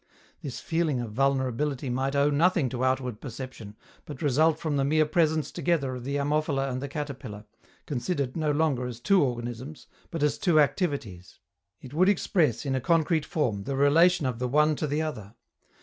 This feeling of vulnerability might owe nothing to outward perception, but result from the mere presence together of the Ammophila and the caterpillar, considered no longer as two organisms, but as two activities. It would express, in a concrete form, the relation of the one to the other.